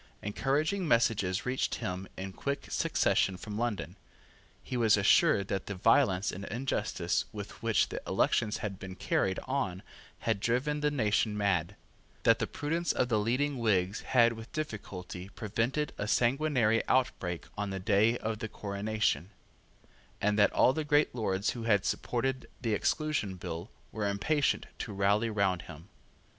Encouraging messages reached him in quick succession from London. He was assured that the violence and injustice with which the elections had been carried on had driven the nation mad, that the prudence of the leading Whigs had with difficulty prevented a sanguinary outbreak on the day of the coronation, and that all the great Lords who had supported the Exclusion Bill were impatient to rally round him.